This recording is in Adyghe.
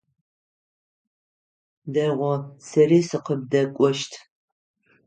Дэгъу, сэри сыкъыбдэкӏощт.